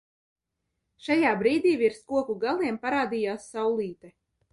Šajā brīdī virs koku galiem parādījās saulīte.